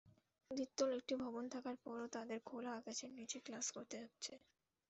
দ্বিতল একটি ভবন থাকার পরও তাদের খোলা আকাশের নিচে ক্লাস করতে হচ্ছে।